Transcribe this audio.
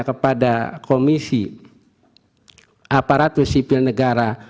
kepada komisi aparatur sipil negara